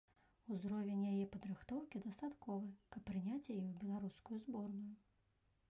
Узровень яе падрыхтоўкі дастатковы, каб прыняць яе ў беларускую зборную.